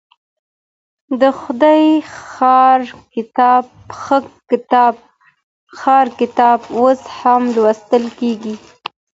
د خدای ښار کتاب اوس هم لوستل کيږي.